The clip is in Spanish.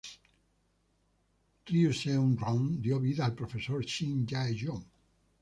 Ryu Seung-ryong dio vida al profesor, Shin Jae-hyo.